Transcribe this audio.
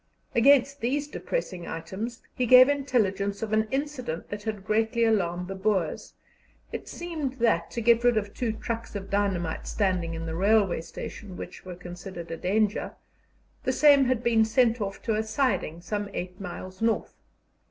Against these depressing items, he gave intelligence of an incident that had greatly alarmed the Boers. It seemed that, to get rid of two trucks of dynamite standing in the railway station, which were considered a danger, the same had been sent off to a siding some eight miles north.